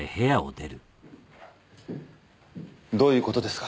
どういう事ですか？